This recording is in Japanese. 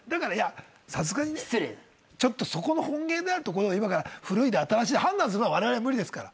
さすがにねそこの本芸であるところを今から古いだ新しいだ判断するのはわれわれは無理ですから。